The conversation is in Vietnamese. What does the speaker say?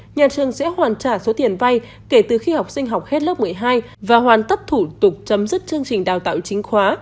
nhà trường sẽ hoàn trả số tiền vay kể từ khi học sinh học hết lớp một mươi hai và hoàn tất thủ tục chấm dứt chương trình đào tạo chính khóa